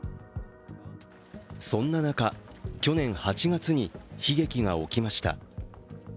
そんな中、去年８月に悲劇が起きました。